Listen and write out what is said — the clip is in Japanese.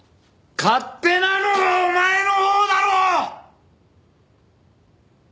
勝手なのはお前のほうだろう！